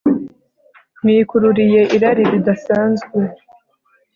Mwikururiye irari ridasanzwe